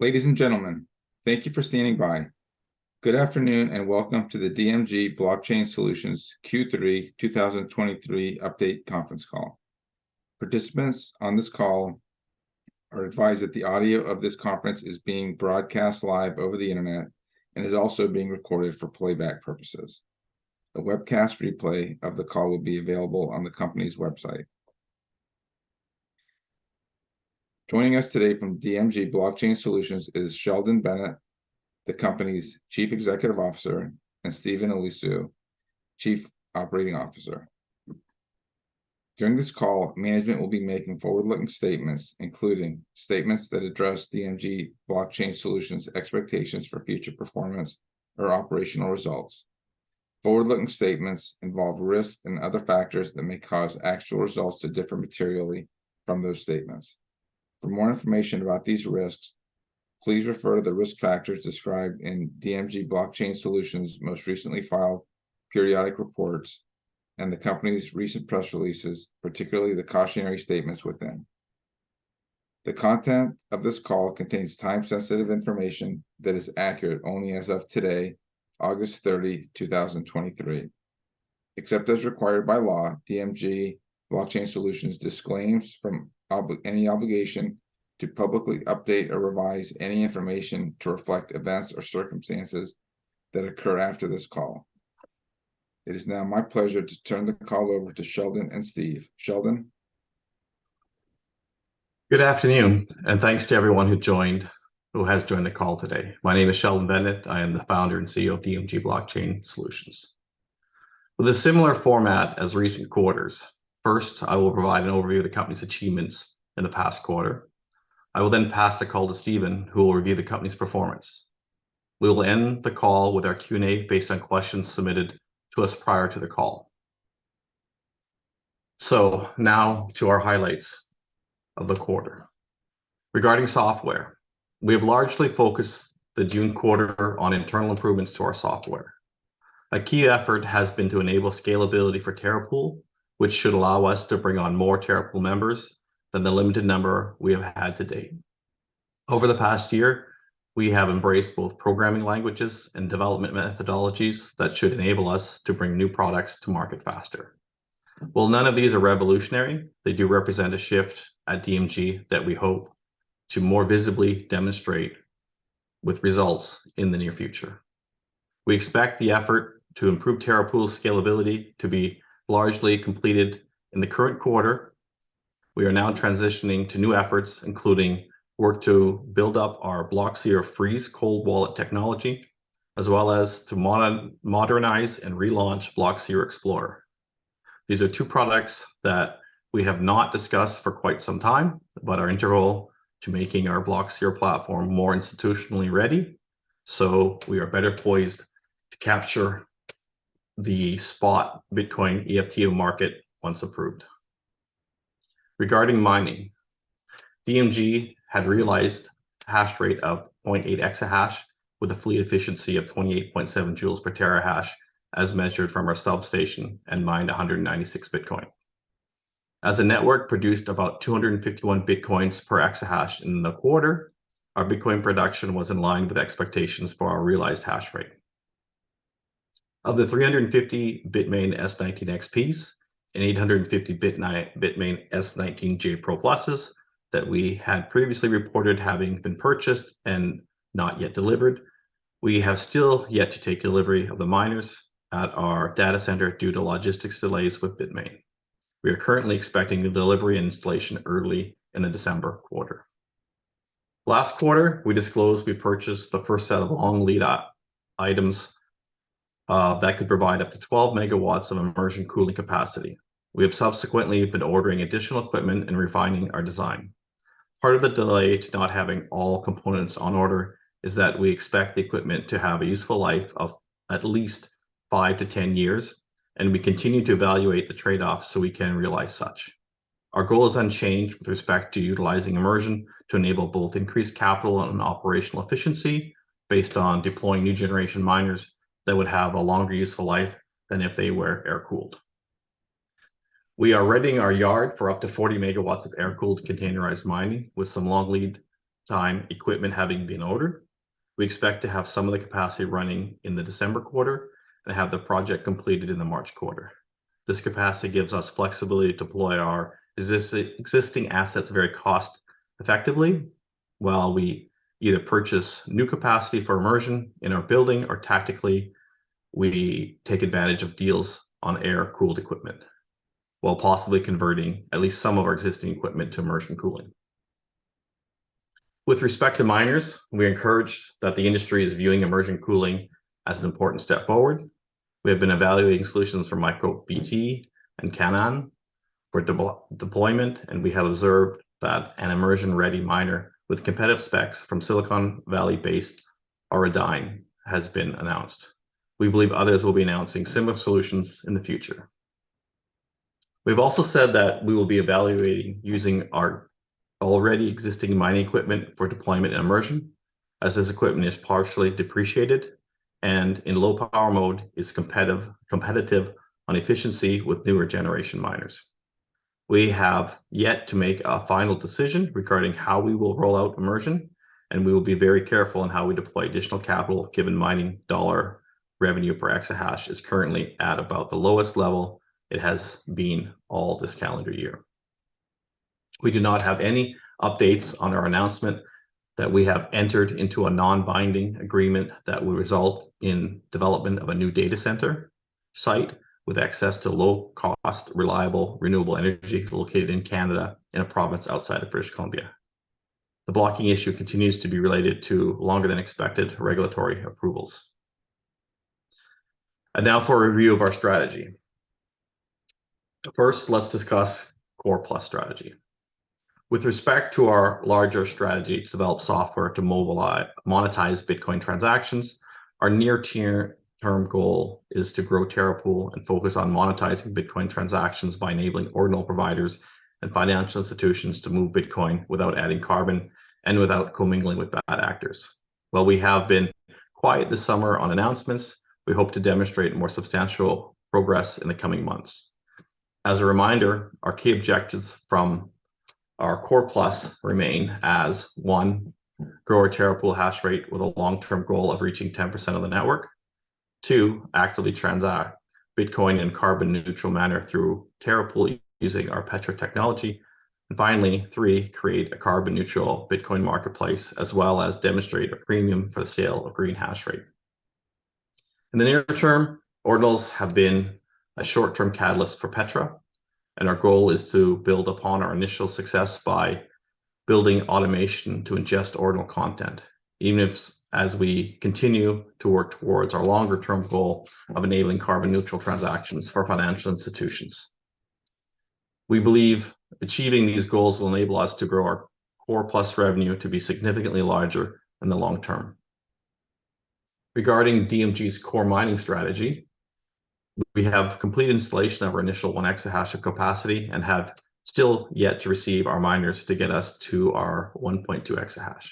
Ladies and gentlemen, thank you for standing by. Good afternoon, and welcome to the DMG Blockchain Solutions Q3 2023 Update Conference Call. Participants on this call are advised that the audio of this conference is being broadcast live over the Internet and is also being recorded for playback purposes. A webcast replay of the call will be available on the company's website. Joining us today from DMG Blockchain Solutions is Sheldon Bennett, the company's Chief Executive Officer, and Steven Eliscu, Chief Operating Officer. During this call, management will be making forward-looking statements, including statements that address DMG Blockchain Solutions' expectations for future performance or operational results. Forward-looking statements involve risks and other factors that may cause actual results to differ materially from those statements. For more information about these risks, please refer to the risk factors described in DMG Blockchain Solutions' most recently filed periodic reports and the company's recent press releases, particularly the cautionary statements within. The content of this call contains time-sensitive information that is accurate only as of today, August 30, 2023. Except as required by law, DMG Blockchain Solutions disclaims from any obligation to publicly update or revise any information to reflect events or circumstances that occur after this call. It is now my pleasure to turn the call over to Sheldon and Steven Sheldon? Good afternoon, and thanks to everyone who joined, who has joined the call today. My name is Sheldon Bennett. I am the Founder and CEO of DMG Blockchain Solutions. With a similar format as recent quarters, first, I will provide an overview of the company's achievements in the past quarter. I will then pass the call to Steven, who will review the company's performance. We will end the call with our Q&A based on questions submitted to us prior to the call. So now to our highlights of the quarter. Regarding software, we have largely focused the June quarter on internal improvements to our software. A key effort has been to enable scalability for Terra Pool, which should allow us to bring on more Terra Pool members than the limited number we have had to date. Over the past year, we have embraced both programming languages and development methodologies that should enable us to bring new products to market faster. While none of these are revolutionary, they do represent a shift at DMG that we hope to more visibly demonstrate with results in the near future. We expect the effort to improve Terra Pool's scalability to be largely completed in the current quarter. We are now transitioning to new efforts, including work to build up our Blockseer Freeze cold wallet technology, as well as to modernize and relaunch Blockseer Explorer. These are two products that we have not discussed for quite some time, but are integral to making our Blockseer platform more institutionally ready, so we are better poised to capture the spot Bitcoin ETF market once approved. Regarding mining, DMG had realized hash rate of 0.8 exahash with a fleet efficiency of 28.7 J/TH, as measured from our substation, and mined 196 Bitcoin. As the network produced about 251 Bitcoins per exahash in the quarter, our Bitcoin production was in line with expectations for our realized hash rate. Of the 350 Bitmain S19 XPs and 850 Bitmain S19j Pro+s that we had previously reported having been purchased and not yet delivered, we have still yet to take delivery of the miners at our data center due to logistics delays with Bitmain. We are currently expecting the delivery and installation early in the December quarter. Last quarter, we disclosed we purchased the first set of long lead items that could provide up to 12 megawatts of immersion cooling capacity. We have subsequently been ordering additional equipment and refining our design. Part of the delay to not having all components on order is that we expect the equipment to have a useful life of at least five-10 years, and we continue to evaluate the trade-offs so we can realize such. Our goal is unchanged with respect to utilizing immersion to enable both increased capital and operational efficiency based on deploying new generation miners that would have a longer, useful life than if they were air-cooled. We are readying our yard for up to 40 megawatts of air-cooled, containerized mining, with some long lead time equipment having been ordered. We expect to have some of the capacity running in the December quarter and have the project completed in the March quarter. This capacity gives us flexibility to deploy our existing assets very cost effectively, while we either purchase new capacity for immersion in our building, or tactically, we take advantage of deals on air-cooled equipment, while possibly converting at least some of our existing equipment to immersion cooling. With respect to miners, we are encouraged that the industry is viewing immersion cooling as an important step forward. We have been evaluating solutions for MicroBT and Canaan for deployment, and we have observed that an immersion-ready miner with competitive specs from Silicon Valley-based Auradine has been announced. We believe others will be announcing similar solutions in the future. We've also said that we will be evaluating using our already existing mining equipment for deployment and immersion, as this equipment is partially depreciated, and in low power mode, is competitive, competitive on efficiency with newer generation miners. We have yet to make a final decision regarding how we will roll out immersion, and we will be very careful in how we deploy additional capital, given mining dollar revenue per exahash is currently at about the lowest level it has been all this calendar year. We do not have any updates on our announcement that we have entered into a non-binding agreement that will result in development of a new data center site with access to low-cost, reliable, renewable energy located in Canada, in a province outside of British Columbia. The blocking issue continues to be related to longer-than-expected regulatory approvals. Now for a review of our strategy. First, let's discuss Core+ strategy. With respect to our larger strategy to develop software to monetize Bitcoin transactions, our near-term goal is to grow Terra Pool and focus on monetizing Bitcoin transactions by enabling ordinal providers and financial institutions to move Bitcoin without adding carbon and without commingling with bad actors. While we have been quiet this summer on announcements, we hope to demonstrate more substantial progress in the coming months. As a reminder, our key objectives from our Core+ remain as, one, grow our Terra Pool hash rate with a long-term goal of reaching 10% of the network. Two, actively transact Bitcoin in carbon-neutral manner through Terra Pool using our Petra technology. And finally, three, create a carbon-neutral Bitcoin marketplace, as well as demonstrate a premium for the sale of green hash rate. In the near term, Ordinals have been a short-term catalyst for Petra, and our goal is to build upon our initial success by building automation to ingest Ordinals content, even if as we continue to work towards our longer-term goal of enabling carbon-neutral transactions for financial institutions. We believe achieving these goals will enable us to grow our Core+ revenue to be significantly larger in the long term. Regarding DMG's core mining strategy, we have complete installation of our initial 1 exahash of capacity and have still yet to receive our miners to get us to our 1.2 exahash.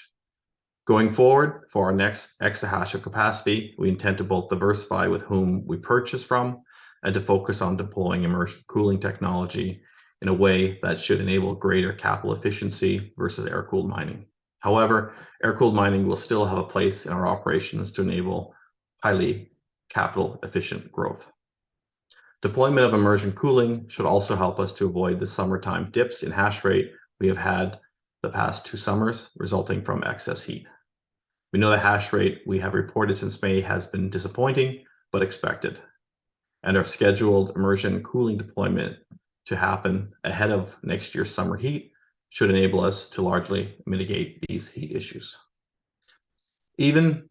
Going forward, for our next exahash of capacity, we intend to both diversify with whom we purchase from, and to focus on deploying immersion cooling technology in a way that should enable greater capital efficiency versus air-cooled mining. However, air-cooled mining will still have a place in our operations to enable highly capital-efficient growth. Deployment of immersion cooling should also help us to avoid the summertime dips in hash rate we have had the past two summers resulting from excess heat. We know the hash rate we have reported since May has been disappointing, but expected, and our scheduled immersion cooling deployment to happen ahead of next year's summer heat should enable us to largely mitigate these heat issues. Even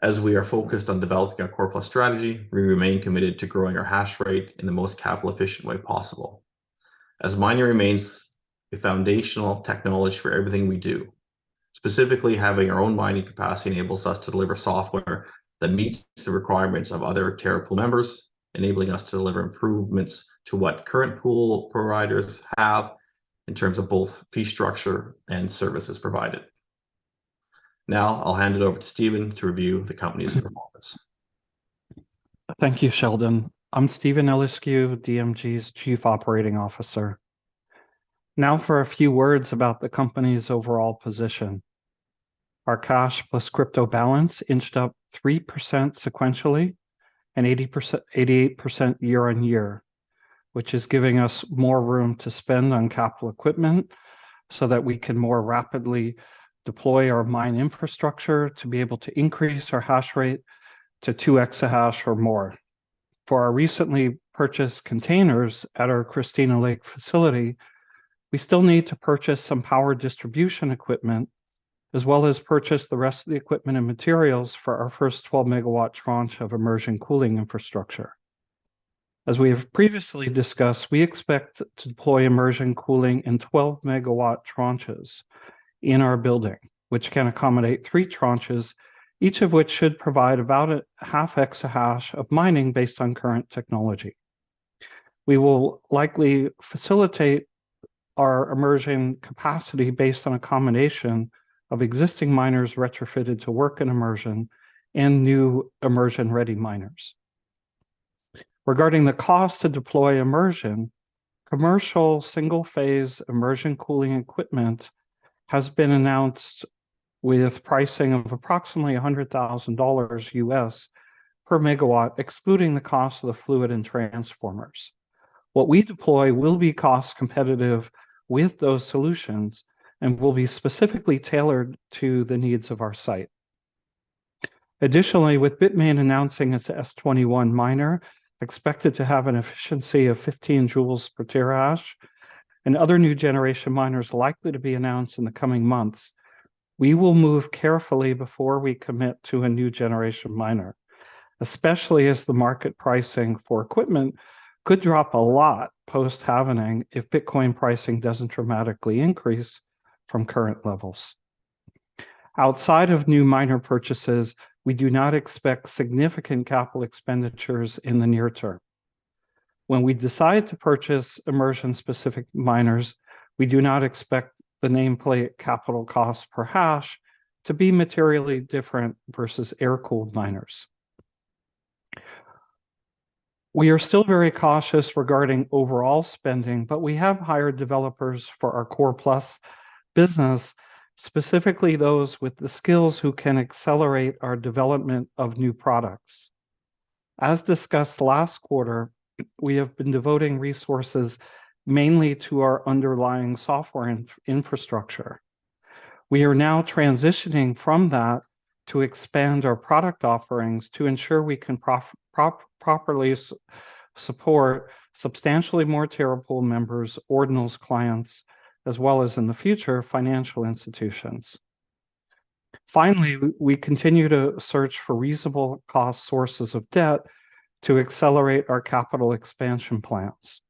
as we are focused on developing our Core+ strategy, we remain committed to growing our hash rate in the most capital-efficient way possible, as mining remains a foundational technology for everything we do. Specifically, having our own mining capacity enables us to deliver software that meets the requirements of other Terra Pool members, enabling us to deliver improvements to what current pool providers have in terms of both fee structure and services provided. Now, I'll hand it over to Steven to review the company's performance. Thank you, Sheldon. I'm Steven Eliscu, DMG's Chief Operating Officer. Now, for a few words about the company's overall position. Our cash plus crypto balance inched up 3% sequentially and 88% year-on-year, which is giving us more room to spend on capital equipment so that we can more rapidly deploy our mine infrastructure to be able to increase our hash rate to 2 exahash or more. For our recently purchased containers at our Christina Lake facility, we still need to purchase some power distribution equipment, as well as purchase the rest of the equipment and materials for our first 12-megawatt tranche of immersion cooling infrastructure. As we have previously discussed, we expect to deploy immersion cooling in 12-megawatt tranches in our building, which can accommodate 3 tranches, each of which should provide about a half exahash of mining based on current technology. We will likely facilitate our immersion capacity based on a combination of existing miners retrofitted to work in immersion and new immersion-ready miners. Regarding the cost to deploy immersion, commercial single-phase immersion cooling equipment has been announced with pricing of approximately $100,000 per megawatt, excluding the cost of the fluid and transformers. What we deploy will be cost-competitive with those solutions and will be specifically tailored to the needs of our site. Additionally, with Bitmain announcing its S21 miner, expected to have an efficiency of 15 joules per terahash, and other new-generation miners likely to be announced in the coming months, we will move carefully before we commit to a new-generation miner, especially as the market pricing for equipment could drop a lot post-halving if Bitcoin pricing doesn't dramatically increase from current levels. Outside of new miner purchases, we do not expect significant capital expenditures in the near term. When we decide to purchase immersion-specific miners, we do not expect the nameplate capital cost per hash to be materially different versus air-cooled miners. We are still very cautious regarding overall spending, but we have hired developers for our Core+ Business, specifically those with the skills who can accelerate our development of new products. As discussed last quarter, we have been devoting resources mainly to our underlying software infrastructure. We are now transitioning from that to expand our product offerings to ensure we can properly support substantially more Terra Pool members, Ordinals clients, as well as, in the future, financial institutions. Finally, we continue to search for reasonable cost sources of debt to accelerate our capital expansion plans.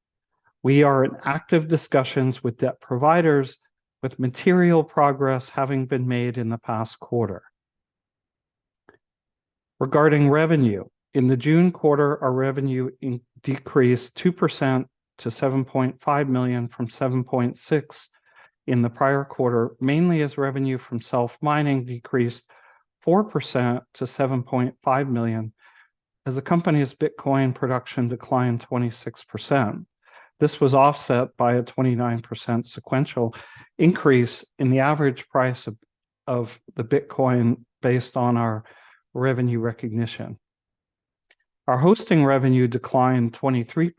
We are in active discussions with debt providers, with material progress having been made in the past quarter. Regarding revenue, in the June quarter, our revenue decreased 2% to 7.5 million from 7.6 million in the prior quarter, mainly as revenue from self-mining decreased 4% to 7.5 million, as the company's Bitcoin production declined 26%. This was offset by a 29% sequential increase in the average price of the Bitcoin based on our revenue recognition. Our hosting revenue declined 23%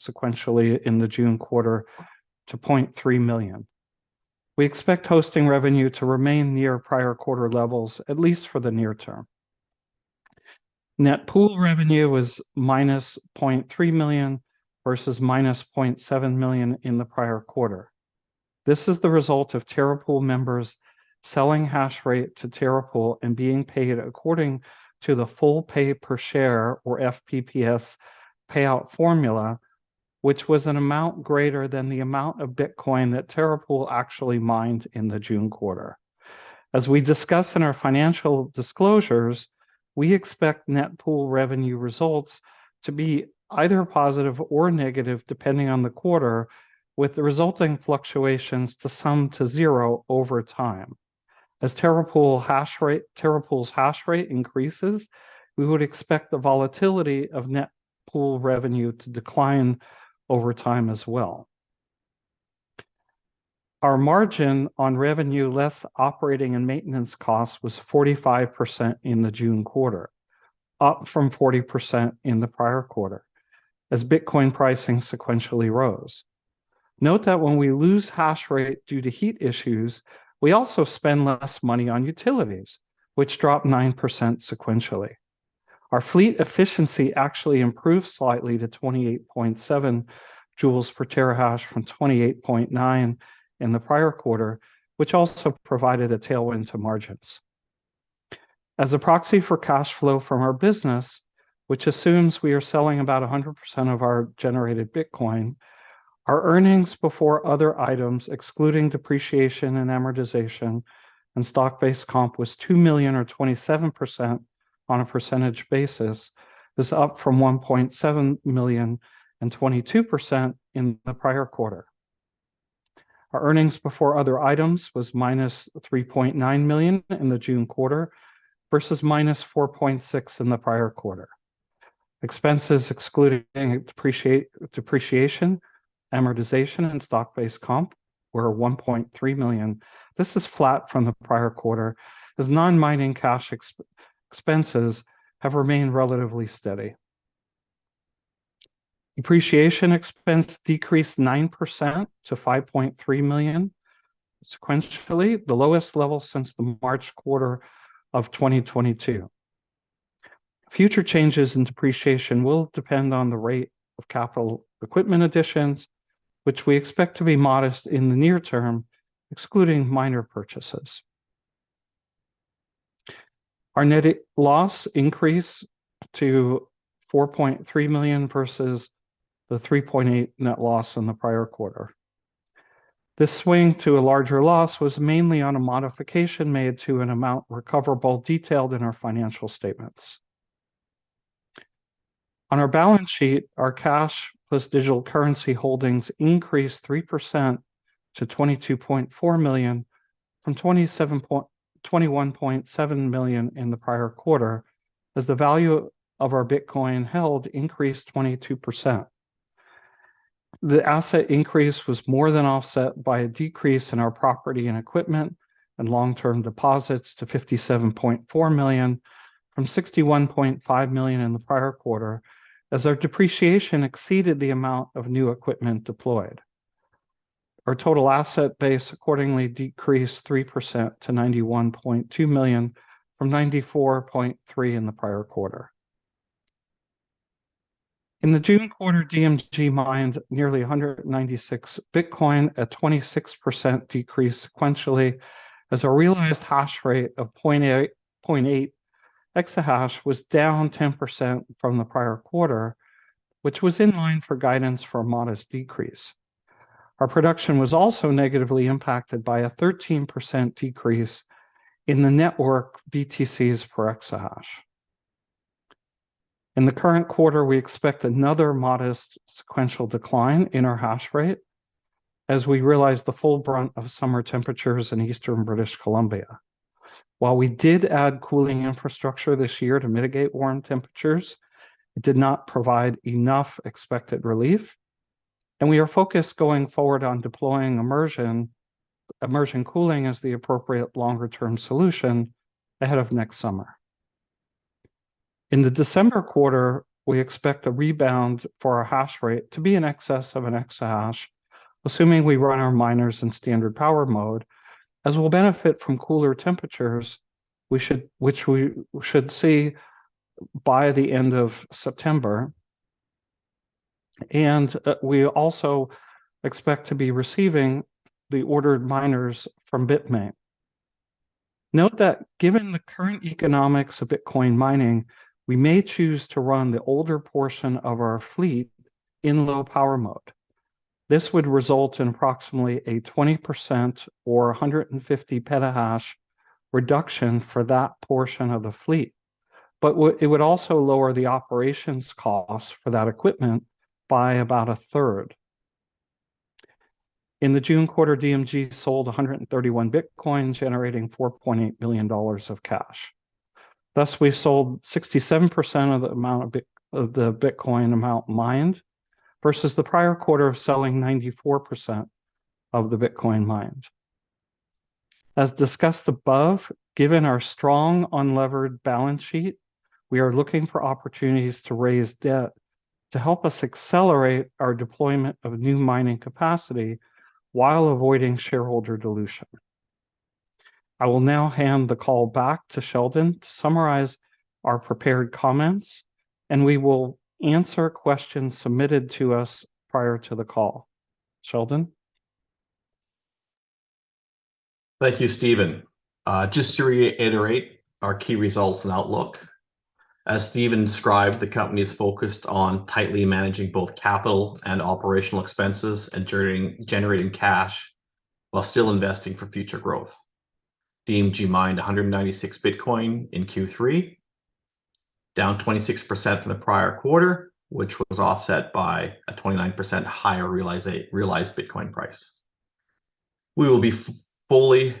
sequentially in the June quarter to 0.3 million. We expect hosting revenue to remain near prior quarter levels, at least for the near term. Net pool revenue was -0.3 million versus -0.7 million in the prior quarter. This is the result of Terra Pool members selling hash rate to Terra Pool and being paid according to the full pay per share or FPPS payout formula, which was an amount greater than the amount of Bitcoin that Terra Pool actually mined in the June quarter. As we discuss in our financial disclosures, we expect net pool revenue results to be either positive or negative, depending on the quarter, with the resulting fluctuations to sum to zero over time. As Terra Pool's hash rate increases, we would expect the volatility of net pool revenue to decline over time as well. Our margin on revenue, less operating and maintenance costs, was 45% in the June quarter, up from 40% in the prior quarter, as Bitcoin pricing sequentially rose. Note that when we lose hash rate due to heat issues, we also spend less money on utilities, which dropped 9% sequentially. Our fleet efficiency actually improved slightly to 28.7 joules per terahash from 28.9 in the prior quarter, which also provided a tailwind to margins. As a proxy for cash flow from our business, which assumes we are selling about 100% of our generated Bitcoin, our earnings before other items, excluding depreciation and amortization and stock-based comp, was 2 million or 27% on a percentage basis. This is up from 1.7 million and 22% in the prior quarter. Our earnings before other items was -3.9 million in the June quarter versus -4.6 million in the prior quarter. Expenses excluding depreciation, amortization, and stock-based comp were 1.3 million. This is flat from the prior quarter, as non-mining cash expenses have remained relatively steady. Depreciation expense decreased 9% to 5.3 million sequentially, the lowest level since the March quarter of 2022. Future changes in depreciation will depend on the rate of capital equipment additions, which we expect to be modest in the near term, excluding minor purchases. Our net loss increased to 4.3 million versus the 3.8 million net loss in the prior quarter. This swing to a larger loss was mainly on a modification made to an amount recoverable, detailed in our financial statements. On our balance sheet, our cash plus digital currency holdings increased 3% to 22.4 million, from 21.7 million in the prior quarter, as the value of our Bitcoin held increased 22%. The asset increase was more than offset by a decrease in our property and equipment and long-term deposits to 57.4 million from 61.5 million in the prior quarter, as our depreciation exceeded the amount of new equipment deployed. Our total asset base accordingly decreased 3% to 91.2 million from 94.3 million in the prior quarter. In the June quarter, DMG mined nearly 196 Bitcoin, a 26% decrease sequentially, as our realized hash rate of 0.88 EH/s was down 10% from the prior quarter, which was in line for guidance for a modest decrease. Our production was also negatively impacted by a 13% decrease in the network BTCs per EH/s. In the current quarter, we expect another modest sequential decline in our hash rate.... As we realize the full brunt of summer temperatures in Eastern British Columbia. While we did add cooling infrastructure this year to mitigate warm temperatures, it did not provide enough expected relief, and we are focused going forward on deploying immersion, immersion cooling as the appropriate longer-term solution ahead of next summer. In the December quarter, we expect a rebound for our hash rate to be in excess of an exahash, assuming we run our miners in standard power mode, as we'll benefit from cooler temperatures, which we should see by the end of September. And we also expect to be receiving the ordered miners from Bitmain. Note that given the current economics of Bitcoin mining, we may choose to run the older portion of our fleet in low power mode. This would result in approximately a 20% or a 150 Petahash reduction for that portion of the fleet, but it would also lower the operations costs for that equipment by about a third. In the June quarter, DMG sold 131 Bitcoin, generating $4.8 billion of cash. Thus, we sold 67% of the amount of the Bitcoin amount mined, versus the prior quarter of selling 94% of the Bitcoin mined. As discussed above, given our strong unlevered balance sheet, we are looking for opportunities to raise debt to help us accelerate our deployment of new mining capacity while avoiding shareholder dilution. I will now hand the call back to Sheldon to summarize our prepared comments, and we will answer questions submitted to us prior to the call. Sheldon? Thank you, Steven. Just to reiterate our key results and outlook. As Steven described, the company is focused on tightly managing both capital and operational expenses and generating cash while still investing for future growth. DMG mined 196 Bitcoin in Q3, down 26% from the prior quarter, which was offset by a 29% higher realized Bitcoin price. We will be fully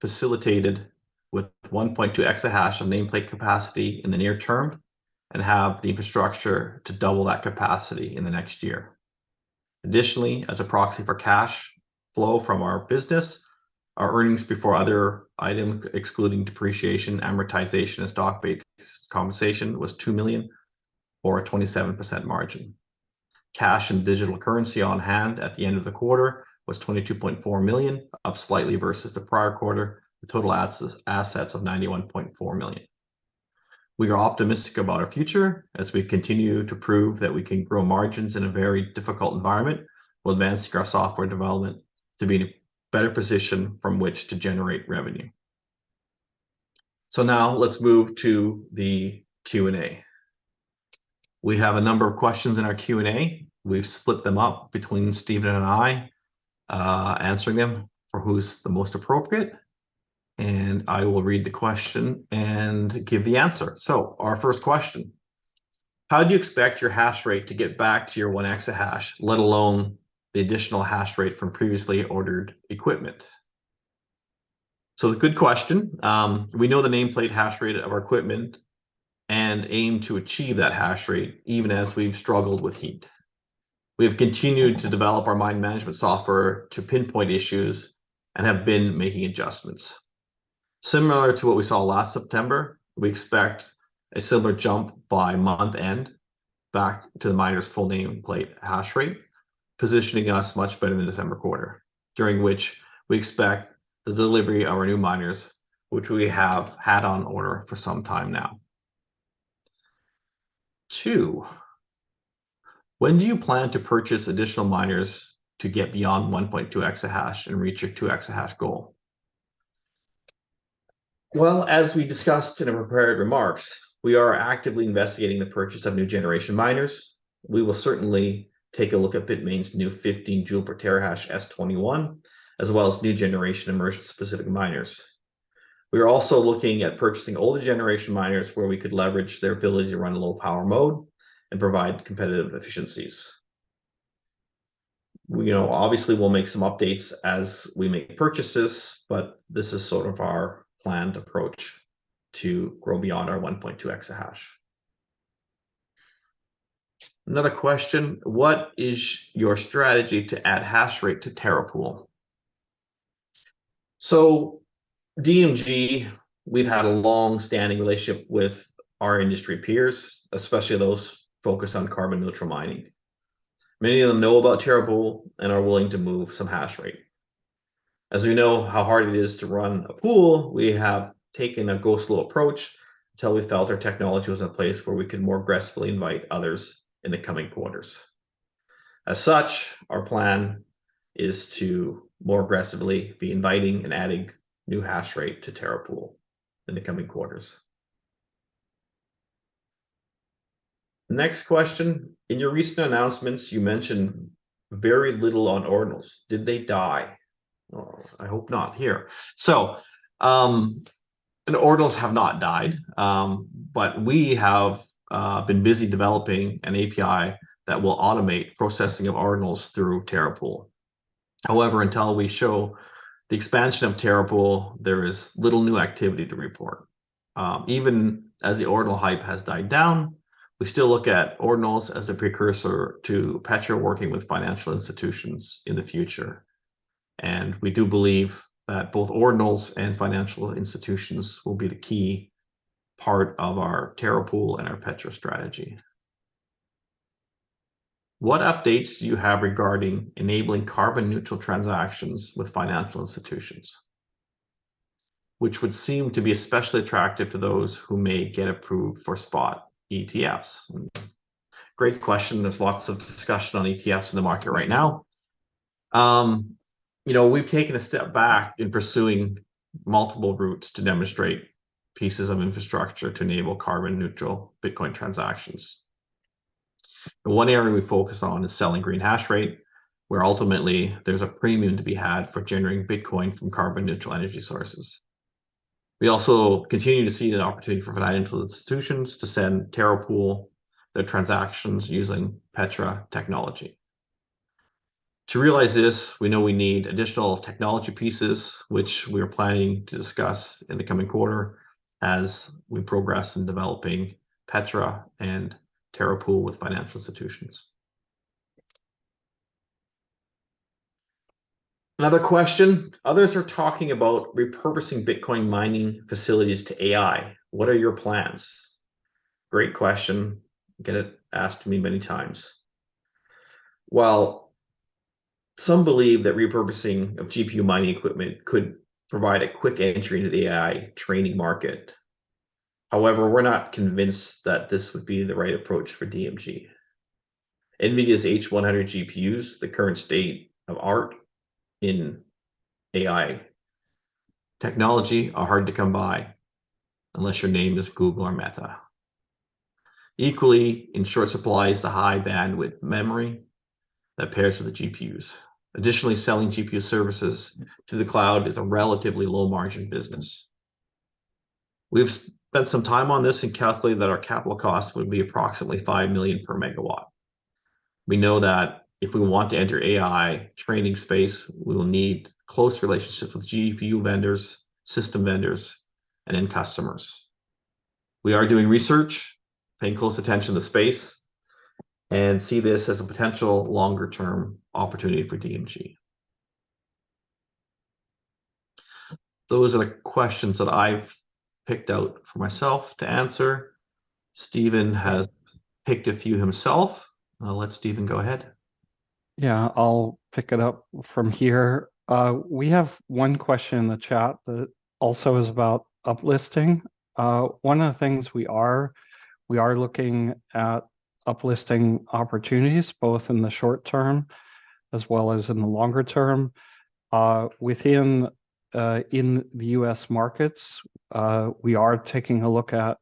facilitated with 1.2 exahash of nameplate capacity in the near term and have the infrastructure to double that capacity in the next year. Additionally, as a proxy for cash flow from our business, our earnings before other item, excluding depreciation, amortization, and stock-based compensation, was 2 million or a 27% margin. Cash and digital currency on hand at the end of the quarter was 22.4 million, up slightly versus the prior quarter. The total assets, assets of 91.4 million. We are optimistic about our future as we continue to prove that we can grow margins in a very difficult environment, while advancing our software development to be in a better position from which to generate revenue. So now let's move to the Q&A. We have a number of questions in our Q&A. We've split them up between Steven and I, answering them for who's the most appropriate, and I will read the question and give the answer. So our first question: How do you expect your hash rate to get back to your 1 exahash, let alone the additional hash rate from previously ordered equipment? So a good question. We know the nameplate hash rate of our equipment and aim to achieve that hash rate, even as we've struggled with heat. We have continued to develop our mine management software to pinpoint issues and have been making adjustments. Similar to what we saw last September, we expect a similar jump by month-end back to the miner's full nameplate hash rate, positioning us much better in the December quarter, during which we expect the delivery of our new miners, which we have had on order for some time now. Two, when do you plan to purchase additional miners to get beyond 1.2 exahash and reach your 2 exahash goal? Well, as we discussed in the prepared remarks, we are actively investigating the purchase of new generation miners. We will certainly take a look at Bitmain's new 15 joule per terahash S21, as well as new generation immersion-specific miners. We are also looking at purchasing older generation miners, where we could leverage their ability to run a low power mode and provide competitive efficiencies. We know, obviously, we'll make some updates as we make purchases, but this is sort of our planned approach to grow beyond our 1.2 exahash. Another question: What is your strategy to add hash rate to Terra Pool? So, DMG, we've had a long-standing relationship with our industry peers, especially those focused on carbon neutral mining. Many of them know about Terra Pool and are willing to move some hash rate. As we know how hard it is to run a pool, we have taken a go-slow approach until we felt our technology was in a place where we could more aggressively invite others in the coming quarters. As such, our plan is to more aggressively be inviting and adding new hash rate to Terra Pool in the coming quarters. Next question: In your recent announcements, you mentioned very little on Ordinals. Did they die? Oh, I hope not. Here. So, And Ordinals have not died, but we have been busy developing an API that will automate processing of Ordinals through Terra Pool. However, until we show the expansion of Terra Pool, there is little new activity to report. Even as the Ordinal hype has died down, we still look at Ordinals as a precursor to Petra working with financial institutions in the future, and we do believe that both Ordinals and financial institutions will be the key part of our Terra Pool and our Petra strategy. What updates do you have regarding enabling carbon-neutral transactions with financial institutions, which would seem to be especially attractive to those who may get approved for spot ETFs? Great question. There's lots of discussion on ETFs in the market right now. You know, we've taken a step back in pursuing multiple routes to demonstrate pieces of infrastructure to enable carbon-neutral Bitcoin transactions. One area we focus on is selling green hash rate, where ultimately there's a premium to be had for generating Bitcoin from carbon-neutral energy sources. We also continue to see an opportunity for financial institutions to send Terra Pool their transactions using Petra technology. To realize this, we know we need additional technology pieces, which we are planning to discuss in the coming quarter as we progress in developing Petra and Terra Pool with financial institutions. Another question: Others are talking about repurposing Bitcoin mining facilities to AI. What are your plans? Great question. Get it asked to me many times. While some believe that repurposing of GPU mining equipment could provide a quick entry into the AI training market, however, we're not convinced that this would be the right approach for DMG. NVIDIA's H100 GPUs, the current state of the art in AI technology, are hard to come by unless your name is Google or Meta. Equally, in short supply is the high bandwidth memory that pairs with the GPUs. Additionally, selling GPU services to the cloud is a relatively low-margin business. We've spent some time on this and calculated that our capital costs would be approximately $5 million per megawatt. We know that if we want to enter AI training space, we will need close relationships with GPU vendors, system vendors, and end customers. We are doing research, paying close attention to space, and see this as a potential longer-term opportunity for DMG. Those are the questions that I've picked out for myself to answer. Steven has picked a few himself. I'll let Steven go ahead. Yeah, I'll pick it up from here. We have one question in the chat that also is about uplisting. One of the things we are, we are looking at uplisting opportunities, both in the short term as well as in the longer term. Within, in the U.S. markets, we are taking a look at,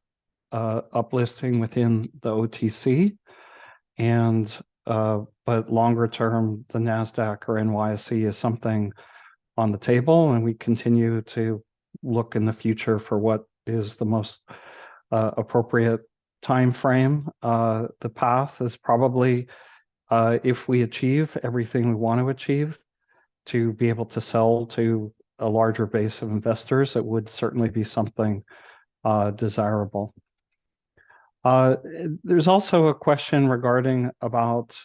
uplisting within the OTC, and... But longer term, the Nasdaq or NYSE is something on the table, and we continue to look in the future for what is the most, appropriate time frame. The path is probably, if we achieve everything we want to achieve, to be able to sell to a larger base of investors, it would certainly be something, desirable. There's also a question regarding about,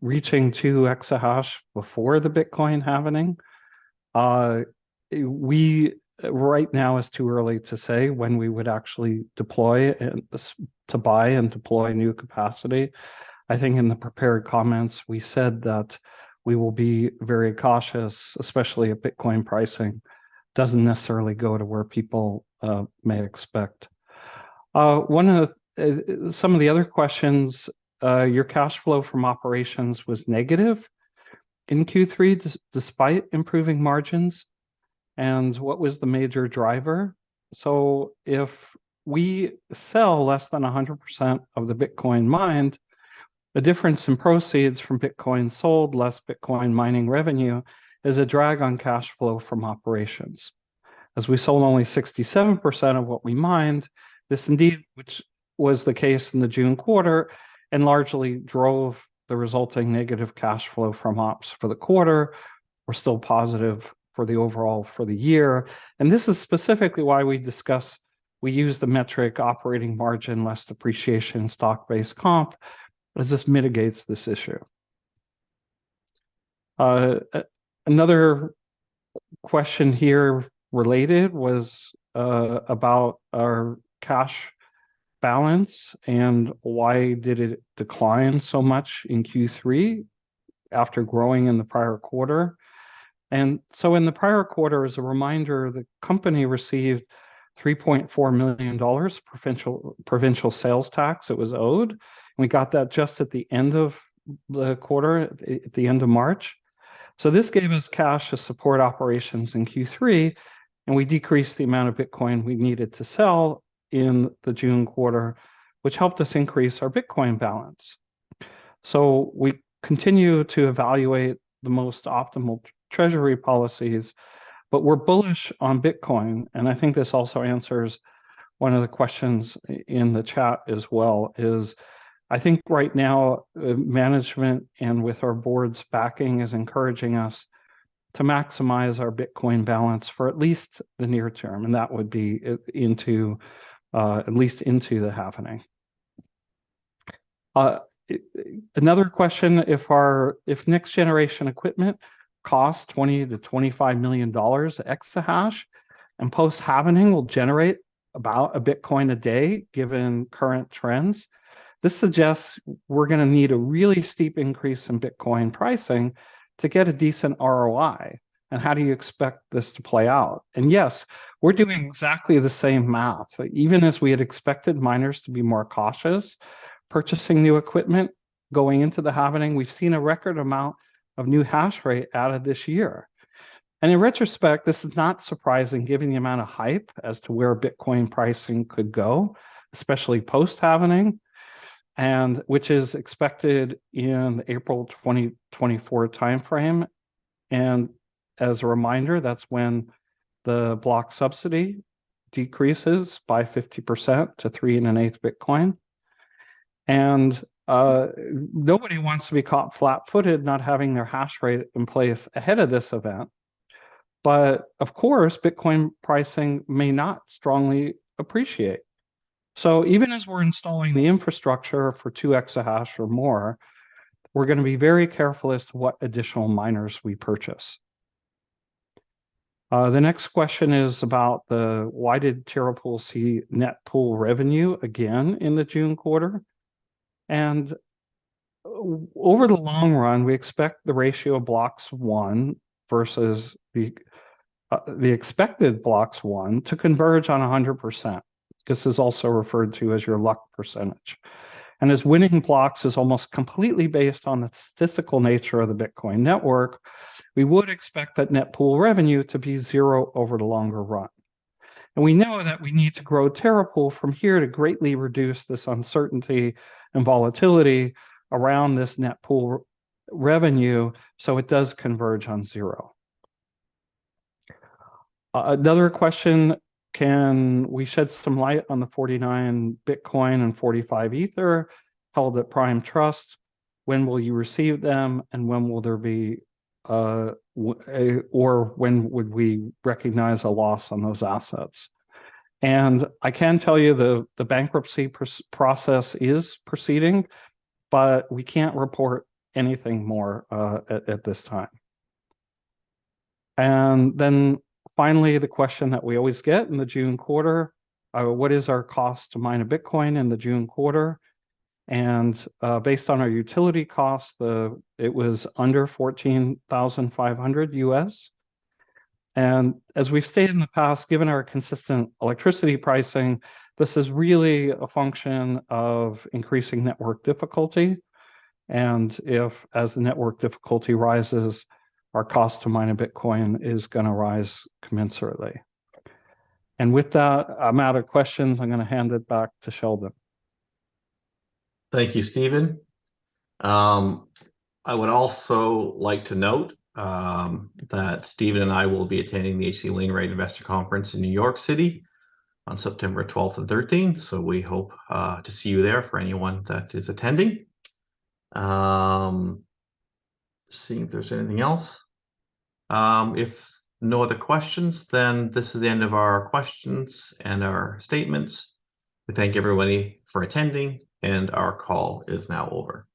reaching 2 exahash before the Bitcoin halving. Right now is too early to say when we would actually deploy to buy and deploy new capacity. I think in the prepared comments, we said that we will be very cautious, especially if Bitcoin pricing doesn't necessarily go to where people may expect. Some of the other questions, your cash flow from operations was negative in Q3, despite improving margins, and what was the major driver? So if we sell less than 100% of the Bitcoin mined, the difference in proceeds from Bitcoin sold, less Bitcoin mining revenue, is a drag on cash flow from operations. As we sold only 67% of what we mined, this indeed, which was the case in the June quarter, and largely drove the resulting negative cash flow from ops for the quarter. We're still positive for the overall for the year, and this is specifically why we discuss we use the metric operating margin, less depreciation, stock-based comp, as this mitigates this issue. Another question here related was about our cash balance, and why did it decline so much in Q3 after growing in the prior quarter? And so in the prior quarter, as a reminder, the company received 3.4 million dollars provincial sales tax that was owed. We got that just at the end of the quarter, at the end of March. So this gave us cash to support operations in Q3, and we decreased the amount of Bitcoin we needed to sell in the June quarter, which helped us increase our Bitcoin balance.... So we continue to evaluate the most optimal treasury policies, but we're bullish on Bitcoin, and I think this also answers one of the questions in the chat as well, is I think right now, management, and with our board's backing, is encouraging us to maximize our Bitcoin balance for at least the near term, and that would be into, at least into the halving. Another question, if next-generation equipment costs $20 million-$25 million exahash, and post-halving will generate about a Bitcoin a day, given current trends, this suggests we're gonna need a really steep increase in Bitcoin pricing to get a decent ROI, and how do you expect this to play out? And yes, we're doing exactly the same math. Even as we had expected miners to be more cautious, purchasing new equipment, going into the halving, we've seen a record amount of new hash rate added this year. In retrospect, this is not surprising given the amount of hype as to where Bitcoin pricing could go, especially post-halving, which is expected in the April 2024 timeframe. As a reminder, that's when the block subsidy decreases by 50% to 3.125 BTC. Nobody wants to be caught flat-footed, not having their hash rate in place ahead of this event. But of course, Bitcoin pricing may not strongly appreciate. So even as we're installing the infrastructure for 2 EH/s or more, we're gonna be very careful as to what additional miners we purchase. The next question is about the, why did Terra Pool see net pool revenue again in the June quarter? Over the long run, we expect the ratio of blocks won versus the expected blocks won to converge on 100%. This is also referred to as your luck percentage. As winning blocks is almost completely based on the statistical nature of the Bitcoin network, we would expect that net pool revenue to be zero over the longer run. We know that we need to grow Terra Pool from here to greatly reduce this uncertainty and volatility around this net pool revenue, so it does converge on zero. Another question, can we shed some light on the 49 Bitcoin and 45 Ether held at Prime Trust? When will you receive them, and when will there be, or when would we recognize a loss on those assets? I can tell you, the bankruptcy process is proceeding, but we can't report anything more at this time. And then finally, the question that we always get in the June quarter, what is our cost to mine a Bitcoin in the June quarter? And based on our utility costs, it was under $14,500. And as we've stated in the past, given our consistent electricity pricing, this is really a function of increasing network difficulty, and if as the network difficulty rises, our cost to mine a Bitcoin is gonna rise commensurately. And with that, I'm out of questions. I'm gonna hand it back to Sheldon. Thank you, Steven. I would also like to note that Steven and I will be attending the H.C. Wainwright Investor Conference in New York City on September 12th and 13th. So we hope to see you there for anyone that is attending. Seeing if there's anything else. If no other questions, then this is the end of our questions and our statements. We thank everybody for attending, and our call is now over.